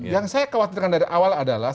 yang saya khawatirkan dari awal adalah